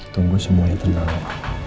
tunggu semuanya tenang